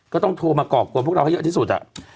ก็ต้องโทรมาก่อกวนพวกเราให้เยอะที่สุด